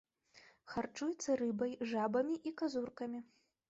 Харчуецца рыбай, жабамі і казуркамі.